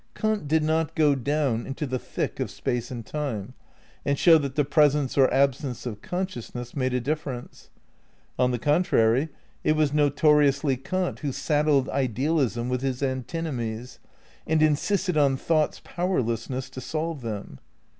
Kant did not go down into the thick of Space and Time and show that the presence or absence of consciousness made a difference. On the contrary, it was notoriously Kant who saddled idealism with his antinomies, and insisted on thought 's powerlessness to solve them.